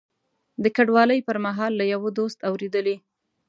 د کډوالۍ پر مهال له یوه دوست اورېدلي.